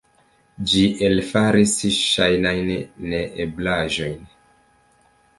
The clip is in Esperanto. Ĝi elfaris ŝajnajn neeblaĵojn.